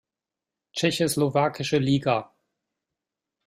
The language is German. Tschechoslowakische Liga.